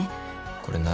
これ何？